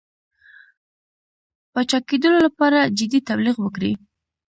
پاچاکېدلو لپاره جدي تبلیغ وکړي.